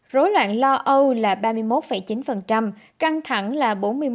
rối loạn lo âu là ba mươi một chín căng thẳng là bốn mươi một